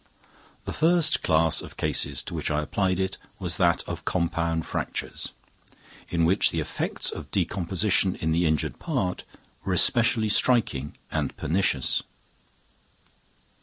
The first class of cases to which I applied it was that of compound fractures, in which the effects of decomposition in the injured part were especially striking and pernicious.